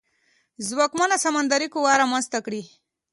ځواکمنه سمندري قوه رامنځته کړي.